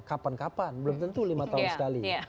kapan kapan belum tentu lima tahun sekali